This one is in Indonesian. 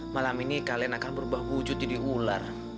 malam ini kalian akan berubah wujud jadi ular